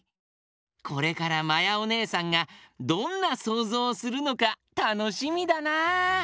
これからまやおねえさんがどんなそうぞうをするのかたのしみだな。